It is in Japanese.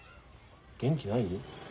元気ない？